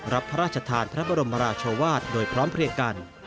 พระราชทานพระบรมราชวาสโดยพร้อมเพลียงกัน